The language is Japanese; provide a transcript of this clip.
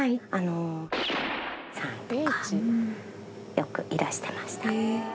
よくいらしてました。